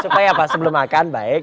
supaya apa sebelum makan baik